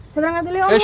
seberang atelir om ya